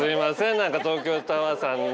何か東京タワーさん。